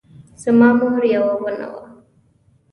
زما مور یوه ونه وه